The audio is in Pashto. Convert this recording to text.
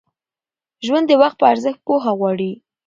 ژوند د وخت په ارزښت پوهه غواړي.